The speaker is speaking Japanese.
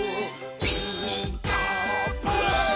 「ピーカーブ！」